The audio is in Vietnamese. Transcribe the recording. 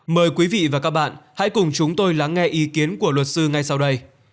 mời quý vị và các bạn hãy cùng chúng tôi lắng nghe ý kiến của luật sư ngay sau đây